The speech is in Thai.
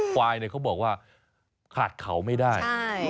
ควายเขาบอกว่าขาดเขาไม่ได้